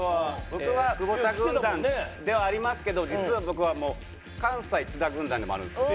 僕は久保田軍団ではありますけど実は僕はもう関西津田軍団でもあるんですよ。